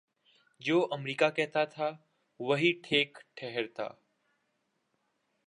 جو امریکہ کہتاتھا وہی ٹھیک ٹھہرتا۔